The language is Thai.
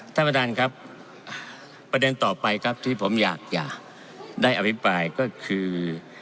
ท่านประธานครับประเด็นต่อไปครับที่ผมอยากจะได้อภิปรายก็คือ